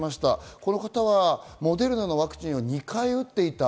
この方はモデルナのワクチンを２回打っていた。